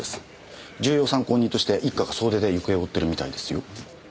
重要参考人として一課が総出で行方を追ってるみたいですよ。